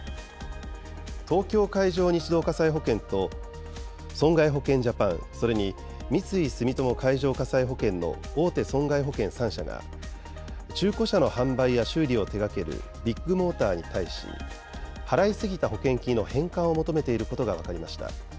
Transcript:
東京海上日動火災保険と損害保険ジャパン、それに三井住友海上火災保険の大手損害保険３社が、中古車の販売や修理を手がけるビッグモーターに対し、払い過ぎた保険金の返還を求めていることが分かりました。